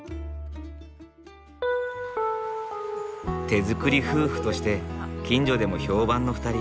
手づくり夫婦として近所でも評判の２人。